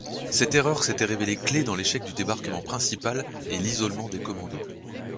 Cette erreur s'était révélée clef dans l'échec du débarquement principal et l'isolement des commandos.